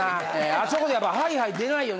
あそこでやっぱハイハイ出ないよね